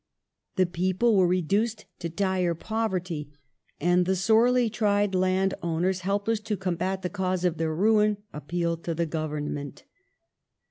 The people were reduced to dire poverty, and the sorely tried land owners, helpless to combat the cause of their ruin, ap pealed to the government.